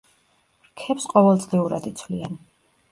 რქებს ყოველწლიურად იცვლიან.